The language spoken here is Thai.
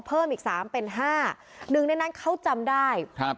เพิ่มอีกสามเป็นห้าหนึ่งในนั้นเขาจำได้ครับ